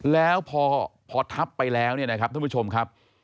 แล้วพอทับไปแล้วเนี่ยนะครับท่านผู้ชมครับ